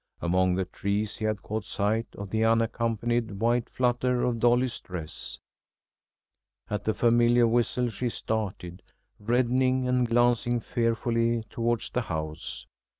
Among the trees he had caught sight of the unaccompanied white flutter of Dolly's dress. At the familiar whistle she started, reddening and glancing fearfully towards the house.